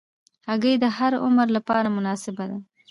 هګۍ د هر عمر لپاره مناسبه ده.